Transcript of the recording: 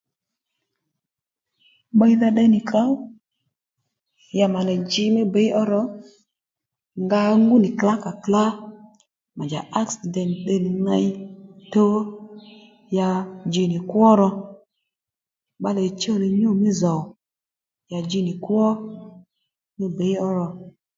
Bbiydha tde nì klǒw ya mànì dji mí bbǐy ó ro nga ngú nì klǎkà klǎ mà njà aksident tde nì ney tuw ó ya dji nì kwó ro bbalè chuw nì nyû mí zòw ya dji nì kwó mí bǐy ó ro